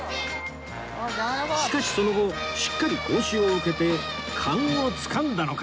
しかしその後しっかり講習を受けて勘をつかんだのか